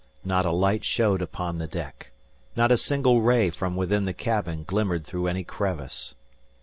Not a light showed upon the deck. Not a single ray from within the cabin glimmered through any crevice.